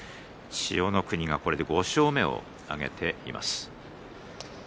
千代の国はこれで５勝目を挙げています。